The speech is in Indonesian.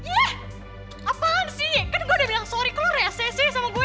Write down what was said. ih apaan sih kan gue udah bilang sorry ke lo ya cece sama gue